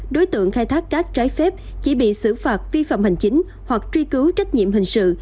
đối tượng khai thác cát trái phép chỉ bị xử phạt vi phạm hành chính hoặc truy cứu trách nhiệm hình sự